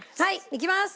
いきます。